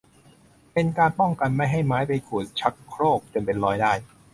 เพื่อเป็นการป้องกันไม่ให้ไม้ไปขูดชักโครกจนเป็นรอยได้